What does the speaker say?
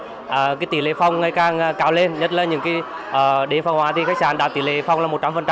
công suất buồng phòng khách sạn ngày càng cao lên nhất là những cái để pháo hoa thì khách sạn đạt tỷ lệ phòng là một trăm linh